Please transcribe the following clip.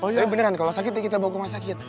tapi bener kan kalau sakit kita bawa ke rumah sakit